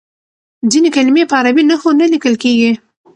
ځینې کلمې په عربي نښو نه لیکل کیږي.